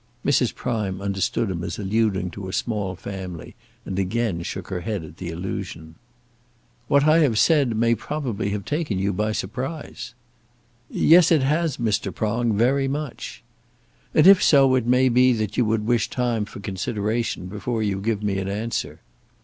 Mrs. Prime understood him as alluding to a small family, and again shook her head at the allusion. "What I have said may probably have taken you by surprise." "Yes, it has, Mr. Prong; very much." "And if so, it may be that you would wish time for consideration before you give me an answer."